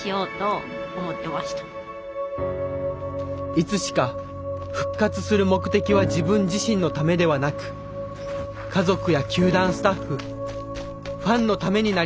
いつしか復活する目的は自分自身のためではなく家族や球団スタッフファンのためになりました。